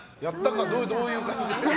どういう感じ？